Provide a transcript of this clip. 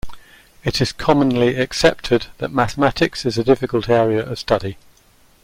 It is commonly accepted that mathematics is a difficult area of study.